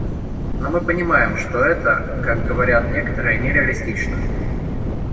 Но мы понимаем, что это, как говорят некоторые, не реалистично.